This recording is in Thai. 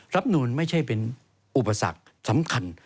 รัฐธรรมนุมไม่ใช่เป็นอุปสรรคสำคัญ